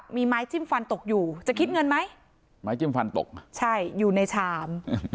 มีไม้จิ้มฟันตกอยู่จะคิดเงินไหมไม้จิ้มฟันตกใช่อยู่ในชาม